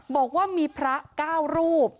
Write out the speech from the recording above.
บอกว่ามีพระก้าวรูป